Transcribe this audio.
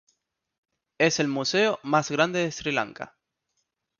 Es el museo más grande de Sri Lanka.